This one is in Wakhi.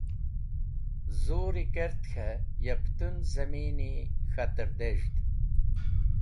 Zuri kert k̃hẽ ya pẽtũn zẽmini k̃hatẽr dez̃hd.